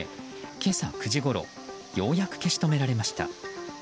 今朝９時ごろようやく消し止められました。